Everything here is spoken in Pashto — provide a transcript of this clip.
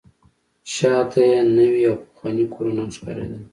شاته یې نوي او پخواني کورونه هم ښکارېدل.